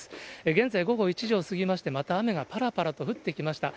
現在午後１時を過ぎまして、また雨がぱらぱらと降ってきました。